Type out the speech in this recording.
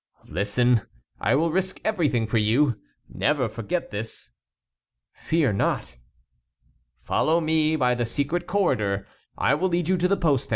"Listen! I will risk everything for you. Never forget this." "Fear not." "Follow me by the secret corridor. I will lead you to the postern.